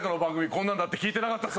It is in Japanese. こんなんだって聞いてなかったぞ！